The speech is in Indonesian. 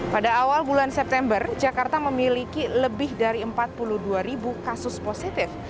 pada awal bulan september jakarta memiliki lebih dari empat puluh dua ribu kasus positif